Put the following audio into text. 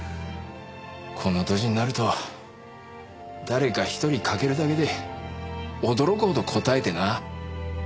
この年になると誰か１人欠けるだけで驚くほどこたえてな。